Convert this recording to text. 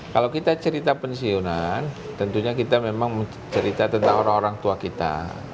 kalau kita cerita pensiunan tentunya kita memang mencerita tentang orang orang tua kita